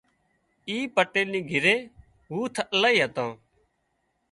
اي پٽيل نِي گھري هوٿ الاهي هتان